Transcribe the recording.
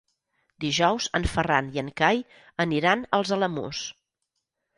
Dijous en Ferran i en Cai aniran als Alamús.